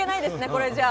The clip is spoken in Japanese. これじゃあ。